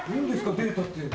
データって。